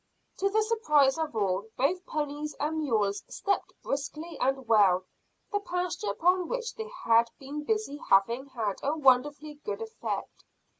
To the surprise of all, both ponies and mules stepped briskly and well, the pasture upon which they had been busy having had a wonderfully good effect.